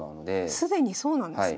既にそうなんですね。